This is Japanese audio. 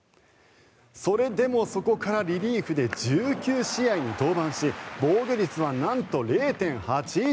それでもそこからリリーフで１９試合に登板し防御率はなんと０．８１。